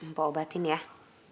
mampu obatin yah